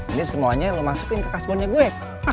ini semuanya lo masukin ke kasbonnya gue